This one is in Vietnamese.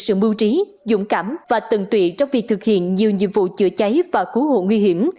sự mưu trí dũng cảm và tận tụy trong việc thực hiện nhiều nhiệm vụ chữa cháy và cứu hộ nguy hiểm